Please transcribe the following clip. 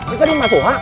ini kan yang masuk hak